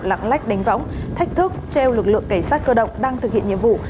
lặng lách đánh võng thách thức treo lực lượng cảnh sát cơ động đang thực hiện nhiệm vụ